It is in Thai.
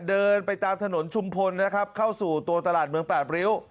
เดินไปตามถนนชุมพลนะครับเข้าสู่ตัวตลาดเมืองแปดริ้ว